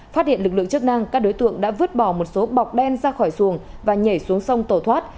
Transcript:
phát hiện lực lượng chức năng các đối tượng đã vứt bỏ một số bọc đen ra khỏi xuồng và nhảy xuống sông tổ thoát